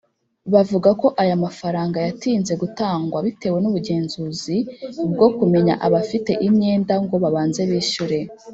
bavuga ko aya mafaranga yatinze gutangwa bitewe n’ubugenzuzi bwo kumenya abafite imyenda ngo babanze bishyure